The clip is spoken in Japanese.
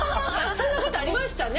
そんなことありましたね